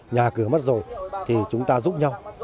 nhà cửa mất rồi thì chúng ta giúp nhau